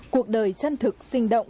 cuộc đời chân thực sinh động